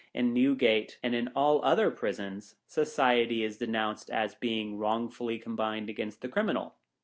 In Newgate, and in all other prisons, Society is denounced as being wrongfully combined against the cri minal.